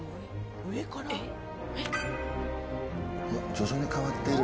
徐々に変わってる。